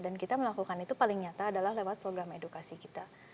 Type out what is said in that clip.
dan kita melakukan itu paling nyata adalah lewat program edukasi kita